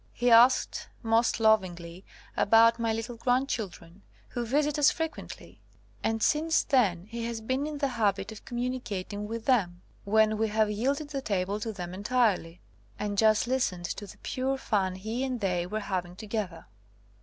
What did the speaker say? *'He asked most lovingly about my little grandchildren, who visit us frequently, and since then he has been in the habit of (Com municating with them, when we have yielded the table to them entirely, and just listened to the pure fun he and they were having to gether.